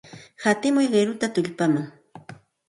Hatimuy qiruta tullpaman.